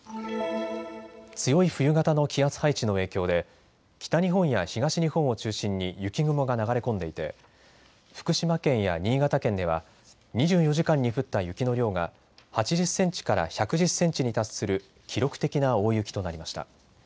強い冬型の気圧配置の影響で北日本や東日本を中心に雪雲が流れ込んでいて福島県や新潟県では２４時間に降った雪の量が８０センチから１１０センチに達する記録的な大雪となりました。